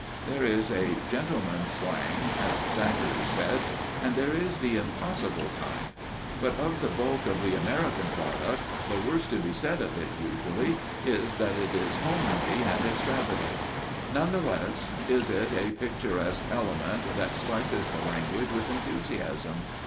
There is a "gentleman's slang," as Thackeray said, and there is the impossible kind; but of the bulk of the American product, the worst to be said of it usually is that it is homely and extravagant. None the less is it a picturesque element that spices the language with enthusiasm.